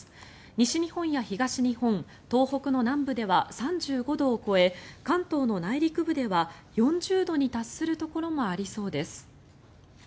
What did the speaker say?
西日本や東日本、東北の南部では３５度を超え関東の内陸部では４０度に達するところもありそうです。